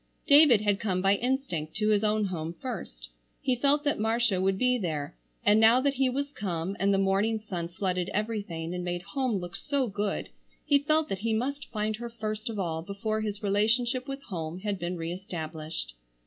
David had come by instinct to his own home first. He felt that Marcia would be there, and now that he was come and the morning sun flooded everything and made home look so good he felt that he must find her first of all before his relationship with home had been re established.